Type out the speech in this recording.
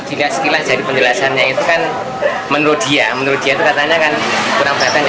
itu katanya kan kurang beratnya dari orang tua